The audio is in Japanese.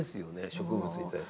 植物に対する。